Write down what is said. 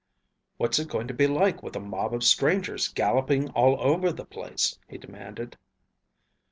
"What's it going to be like with a mob of strangers galloping all over the place?" he demanded.